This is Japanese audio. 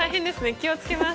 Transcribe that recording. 気を付けます。